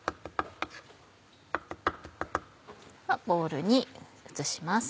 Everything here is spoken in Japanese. ボウルに移します。